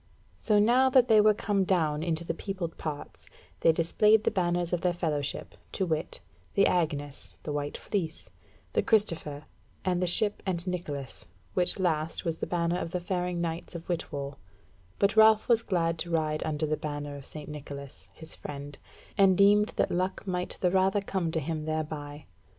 So now that they were come down into the peopled parts, they displayed the banners of their fellowships, to wit, the Agnes, the White Fleece, the Christopher, and the Ship and Nicholas, which last was the banner of the Faring knights of Whitwall; but Ralph was glad to ride under the banner of St. Nicholas, his friend, and deemed that luck might the rather come to him thereby.